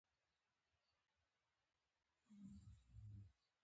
د توبې دروازه به هم بنده شي.